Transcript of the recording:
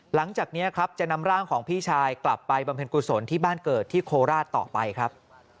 หลังจากนี้ครับจะนำร่างของพี่ชายกลับไปบำเพ็ญกุศลที่บ้านเกิดที่โคราชต่อไปครับ